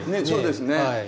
そうですね。